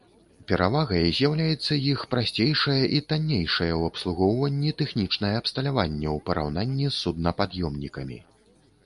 Перавагай з'яўляецца іх прасцейшае і таннейшае ў абслугоўванні тэхнічнае абсталяванне ў параўнанні з суднапад'ёмнікамі.